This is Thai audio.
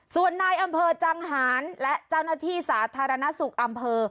ส่วนนายอำเภอจังหารและเจ้าหน้าที่สาธารณสุขอำเภอ